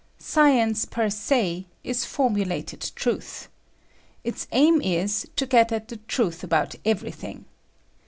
Science, per se, is formulated truth. Its aim is to get at the truth about everything.